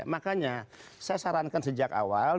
makanya saya sarankan sejak awal